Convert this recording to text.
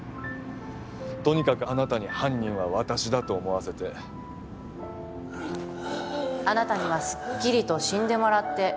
とにかくあなたに犯人は私だと思わせてあなたにはすっきりと死んでもらって